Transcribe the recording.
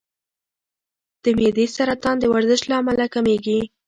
د معدې سرطان د ورزش له امله کمېږي.